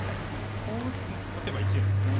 こう打てば生きるんですね。